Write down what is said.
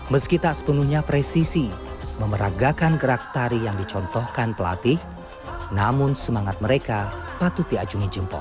meski tak sepenuhnya presisi memeragakan gerak tari yang dicontohkan pelatih namun semangat mereka patut diajungi jempol